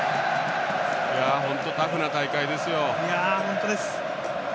本当、タフな大会ですよ。